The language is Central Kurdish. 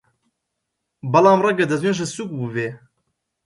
بەڵام ڕەنگە دەستنوێژت سووک بووبێ!